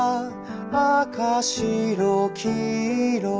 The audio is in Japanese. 「あかしろきいろ」